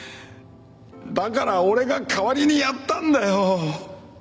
だから俺が代わりにやったんだよ！